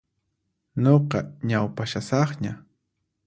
Nuqa ñaupashasaqña.